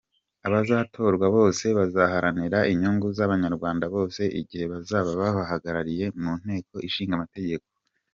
"Abazatorwa bose bazaharanira inyungu z’Abanyarwanda bose igihe bazaba babahagarariye mu nteko ishinga amategeko.